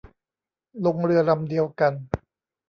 ลงเรือลำเดียวกัน